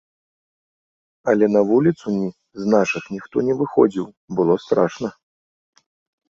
Але на вуліцу з нашых ніхто не выходзіў, было страшна.